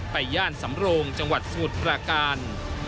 ย่านสำโรงจังหวัดสมุทรปราการ